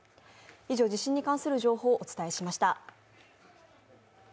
以上、地震に関する情報をお伝えしました。